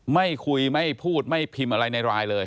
ไม่คุยไม่พูดไม่พิมพ์อะไรในไลน์เลย